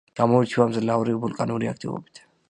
გამოირჩევა მძლავრი ვულკანური აქტივობით.